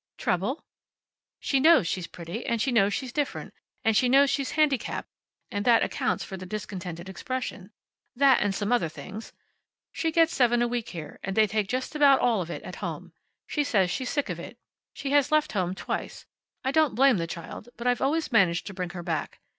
"Trouble?" "She knows she's pretty, and she knows she's different, and she knows she's handicapped, and that accounts for the discontented expression. That, and some other things. She gets seven a week here, and they take just about all of it at home. She says she's sick of it. She has left home twice. I don't blame the child, but I've always managed to bring her back.